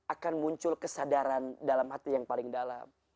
akan muncul kesadaran dalam hati yang paling dalam